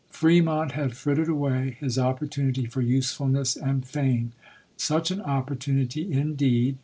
Fremont had frittered away his opportunity for usefulness and fame ; such an opportunity, indeed, GENERAL SAMUEL R.